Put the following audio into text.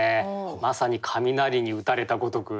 まさに雷に打たれたごとく。